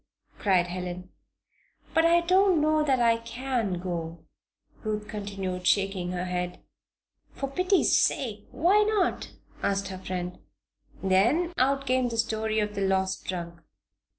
cried Helen. "But I don't know that I can go," Ruth continued, shaking her head. "For pity's sake I why not?" asked her friend. Then, out came the story of the lost trunk.